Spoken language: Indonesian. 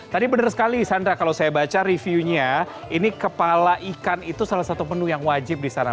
tadi benar sekali sandra kalau saya baca reviewnya ini kepala ikan itu salah satu menu yang wajib di sana